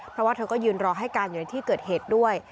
เพราะว่าเธอก็ยืนรอให้การอยู่ในที่เกิดเหตุด้วย